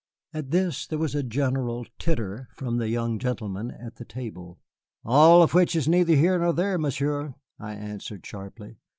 At this there was a general titter from the young gentlemen at the table. "All of which is neither here nor there, Monsieur," I answered sharply.